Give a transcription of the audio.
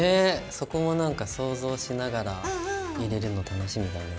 そこもなんか想像しながら入れるの楽しみだね。